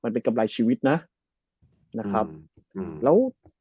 มันเป็นกำไรชีวิตนะนะครับ